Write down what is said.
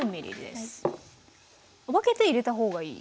分けて入れた方がいい？